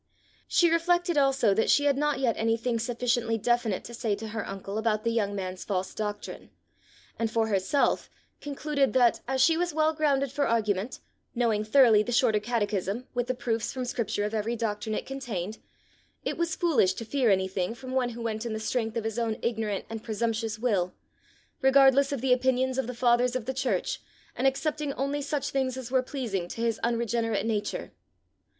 She reflected also that she had not yet anything sufficiently definite to say to her uncle about the young man's false doctrine; and, for herself, concluded that, as she was well grounded for argument, knowing thoroughly the Shorter Catechism with the proofs from scripture of every doctrine it contained, it was foolish to fear anything from one who went in the strength of his own ignorant and presumptuous will, regardless of the opinions of the fathers of the church, and accepting only such things as were pleasing to his unregenerate nature.